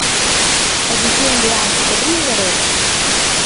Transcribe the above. Edición de Anxo Tarrío Varela.